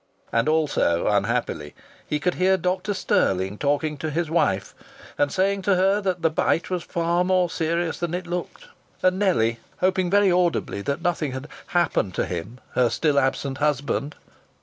And also, unhappily, he could hear Dr. Stirling talking to his wife and saying to her that the bite was far more serious than it looked, and Nellie hoping very audibly that nothing had "happened" to him, her still absent husband